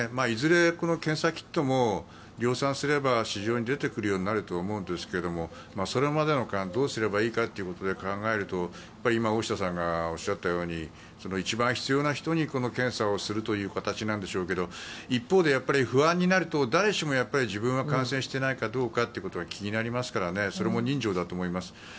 いずれこの検査キットも量産すれば市場に出てくるようになると思うんですがそれまでの間どうすればいいかということで考えると今、大下さんがおっしゃったように一番必要な人にこの検査をするという形なんでしょうけど一方で不安になると誰しも自分は感染していないかどうかということが気になりますからそれも人情だと思います。